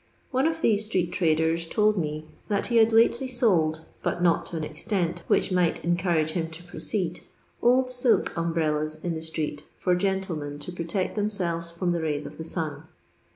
One of these street traders told me that he had lately sold, but not to an extent which might encourage him to proceed, old silk umbrellas in the street for genUemen to protect themselves from the rays of the sun.